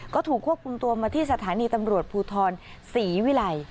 ก็ถูกควบคุมตัวมาที่สถานีตำรวจพูทธรนดิ์๔วีไลน์